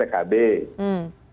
tidak ada pengaruhnya gus syahya